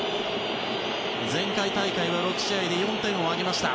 前回大会は６試合で４点を挙げました。